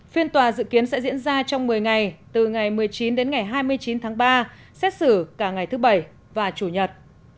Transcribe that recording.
phiên tòa dự kiến sẽ diễn ra trong một mươi ngày từ ngày một mươi chín đến ngày hai mươi chín tháng ba xét xử cả ngày thứ bảy và chủ nhật